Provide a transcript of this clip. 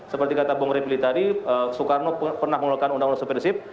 seperti kata bung repili tadi soekarno pernah menggunakan undang undang supersib